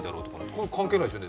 こんなの関係ないですよね